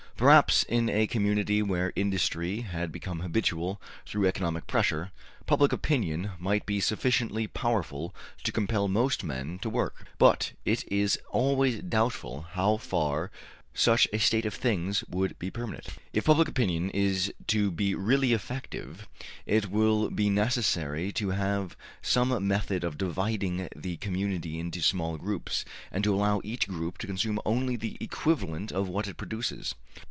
Perhaps, in a community where industry had become habitual through economic pressure, public opinion might be sufficiently powerful to compel most men to work; but it is always doubtful how far such a state of things would be permanent. If public opinion is to be really effective, it will be necessary to have some method of dividing the community into small groups, and to allow each group to consume only the equivalent of what it produces.